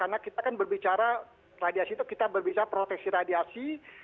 karena kita kan berbicara radiasi itu kita berbicara proteksi radiasi